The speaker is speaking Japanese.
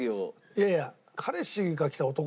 いやいや。